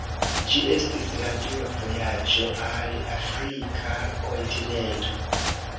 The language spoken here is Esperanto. Ĝi estis la dua vojaĝo al Afrika kontinento.